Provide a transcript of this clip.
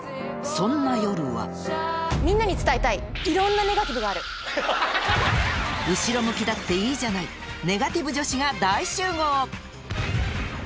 そんな夜は後ろ向きだっていいじゃないネガティブ女子が大集合！